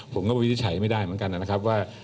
วินิจฉัยไม่ได้เหมือนกันนะครับว่า